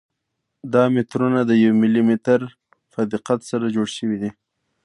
دا مترونه د یو ملي متر په دقت سره جوړ شوي دي.